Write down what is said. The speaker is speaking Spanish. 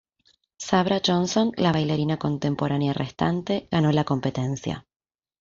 Sabra Johnson, la bailarina contemporánea restante, ganó la competencia.